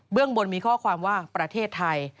เรื่องบนมีข้อความว่าประเทศไทย